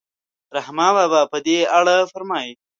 رحمان بابا په دې اړه فرمایي.